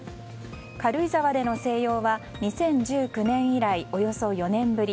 軽井沢での静養は２０１９年以来およそ４年ぶり。